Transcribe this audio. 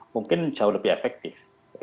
mungkin jauh lebih efektif